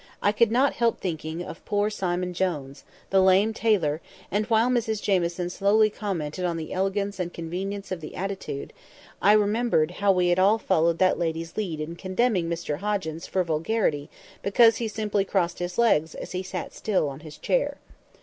I could not help thinking of poor Simon Jones, the lame tailor, and while Mrs Jamieson slowly commented on the elegance and convenience of the attitude, I remembered how we had all followed that lady's lead in condemning Mr Hoggins for vulgarity because he simply crossed his legs as he sat still on his chair.